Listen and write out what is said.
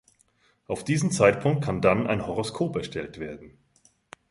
Auf diesen Zeitpunkt kann dann ein Horoskop erstellt werden.